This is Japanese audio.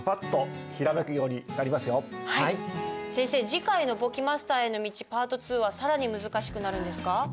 次回の簿記マスターへの道パート２は更に難しくなるんですか？